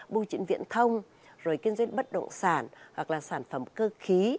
bưu trị viện thông rồi kinh doanh bất động sản hoặc là sản phẩm cơ khí